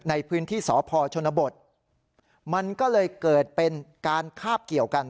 ในพื้นที่สพชนบทมันก็เลยเกิดเป็นการคาบเกี่ยวกัน